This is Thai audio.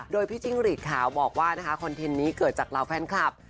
โดยพี่จิ้งหรีดขาวบอกว่านะคะคอนเทนต์นี้เกิดจากเหล่าแฟนคลับ